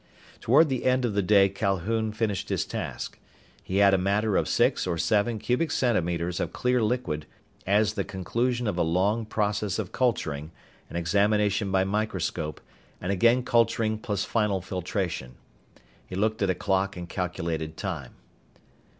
Toward the end of the day Calhoun finished his task. He had a matter of six or seven cubic centimeters of clear liquid as the conclusion of a long process of culturing, and examination by microscope, and again culturing plus final filtration. He looked at a clock and calculated time.